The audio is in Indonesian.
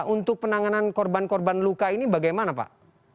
untuk penanganan korban korban luka ini bagaimana pak